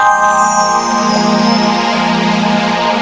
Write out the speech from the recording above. sampai jumpa lagi